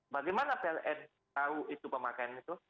bagaimana pln tahu itu pemakaian itu